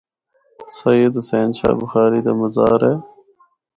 سید حسین شاہ بخاری دا مزار اے۔